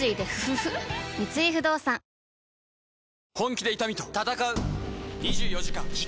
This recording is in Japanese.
三井不動産手紙？